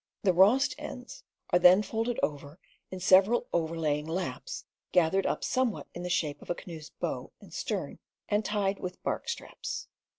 The rossed ends are &4,j!7^ Fig. 17. then folded over in several overlaying laps, gathered up somewhat in the shape of a canoe's bow and stern, and tied with bark straps.